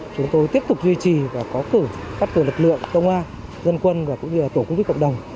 chúng tôi tiếp tục duy trì và có cử các cử lực lượng công an dân quân và cũng như là tổ quốc tế cộng đồng